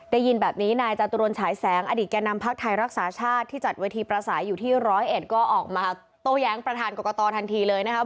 ได้ยินแบบนี้นายจตุรนฉายแสงอดีตแก่นำพักไทยรักษาชาติที่จัดเวทีประสัยอยู่ที่ร้อยเอ็ดก็ออกมาโต้แย้งประธานกรกตทันทีเลยนะครับ